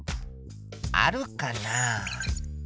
あるかな？